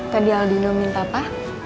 tadi aldino minta apa